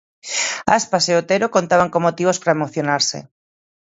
Aspas e Otero contaban con motivos para emocionarse.